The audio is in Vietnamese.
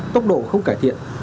tốc độ không cải thiện